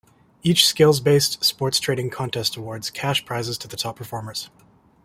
Each skills-based, sports trading contest awards cash prizes to the top performers.